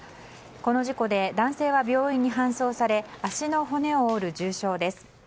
この事故で男性は病院に搬送され足の骨を折る重傷です。